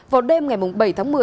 vào đêm ngày bảy tháng một mươi